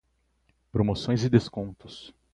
Promoções e descontos